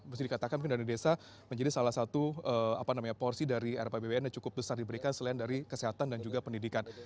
mesti dikatakan mungkin dana desa menjadi salah satu porsi dari rpbbn yang cukup besar diberikan selain dari kesehatan dan juga pendidikan